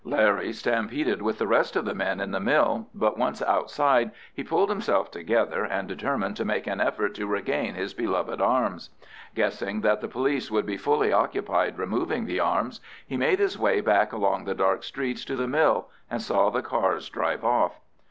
Larry stampeded with the rest of the men in the mill, but once outside he pulled himself together, and determined to make an effort to regain his beloved arms. Guessing that the police would be fully occupied removing the arms, he made his way back along the dark streets to the mill, and saw the cars drive off.